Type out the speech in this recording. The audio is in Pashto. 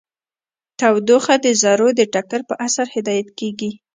تودوخه د ذرو د ټکر په اثر هدایت کیږي.